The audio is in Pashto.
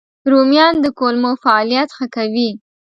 رومیان د کولمو فعالیت ښه کوي